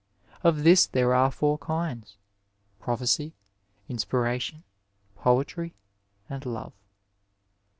Of this there are four kinda— prophecy, inspiration, poetry and love.